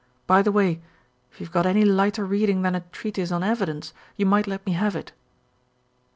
By the way, if you've got any lighter reading than a treatise on evidence, you might let me have it."